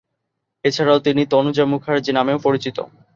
এছাড়াও, তিনি 'তনুজা মুখার্জি' নামেও পরিচিত।